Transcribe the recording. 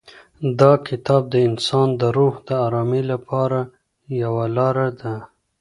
دا کتاب د انسان د روح د ارامۍ لپاره یوه لاره ده.